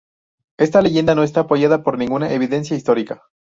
Esta leyenda no está apoyada por ninguna evidencia histórica.